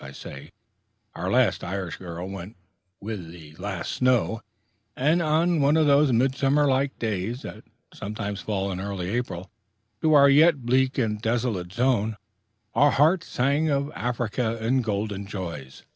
I say, our last Irish girl went with the last snow, and on one of those midsummer like days that sometimes fall in early April to our yet bleak and desolate zone, our hearts sang of Africa and golden joys.